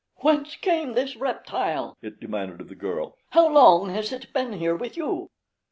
"Whence came this reptile?" it demanded of the girl. "How long has it been here with you?"